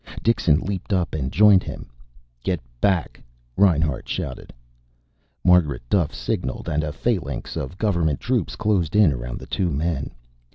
Dixon leaped up and joined him. "Get back!" Reinhart shouted. Margaret Duffe signalled and a phalanx of Government troops closed in around the two men.